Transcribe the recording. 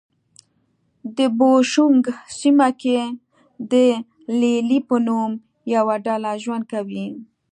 د بوشونګ سیمه کې د لې لې په نوم یوه ډله ژوند کوي.